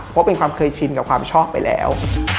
เพราะเป็นความเคยชินกับความชอบไปแล้ว